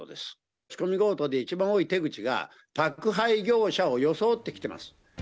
押し込み強盗で一番多い手口が、宅配業者を装ってきてます。